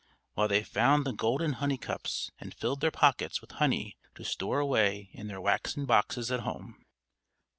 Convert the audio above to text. "_ while they found the golden honey cups, and filled their pockets with honey to store away in their waxen boxes at home.